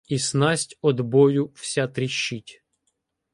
І снасть од бою вся тріщить.